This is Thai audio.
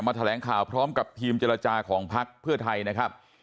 แถลงข่าวพร้อมกับทีมเจรจาของพักเพื่อไทยนะครับ